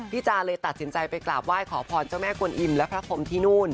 จาเลยตัดสินใจไปกราบไหว้ขอพรเจ้าแม่กวนอิมและพระพรมที่นู่น